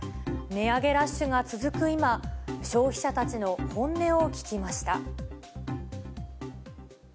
値上げラッシュが続く今、消費者たちの本音を聞きました。